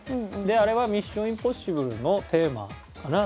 であれは『ミッション・インポッシブル』のテーマかな？